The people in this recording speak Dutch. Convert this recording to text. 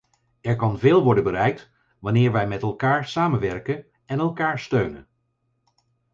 Er kan veel worden bereikt wanneer wij met elkaar samenwerken en elkaar steunen.